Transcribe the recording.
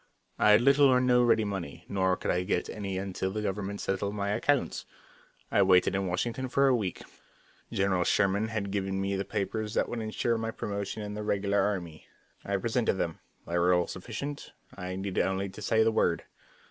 I had little or no ready money, nor could I get any until the government settled my accounts. I waited in Washington for a week. General Sherman had given me papers that would insure my promotion in the regular army. I presented them; they were all sufficient; I needed only to say the word.